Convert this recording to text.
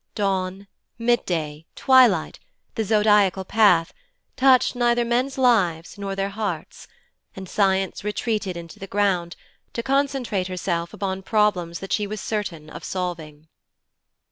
Dawn, midday, twilight, the zodiacal path, touched neither men's lives not their hearts, and science retreated into the ground, to concentrate herself upon problems that she was certain of solving.